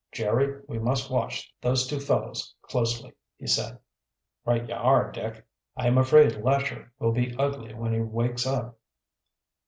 "Jerry, we must watch those two fellows closely," he said. "Right ye are, Dick." "I am afraid Lesher will be ugly when he wakes up."